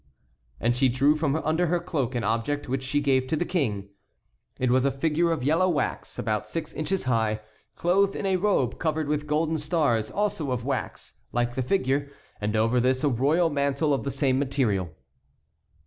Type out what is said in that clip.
And she drew from under her cloak an object which she gave to the King. It was a figure of yellow wax, about six inches high, clothed in a robe covered with golden stars also of wax, like the figure; and over this a royal mantle of the same material.